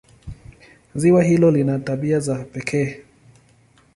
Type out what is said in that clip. Ziwa hilo lina tabia za pekee.